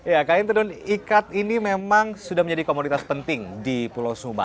ya kain tenun ikat ini memang sudah menjadi komoditas penting di pulau sumba